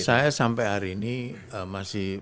saya sampai hari ini masih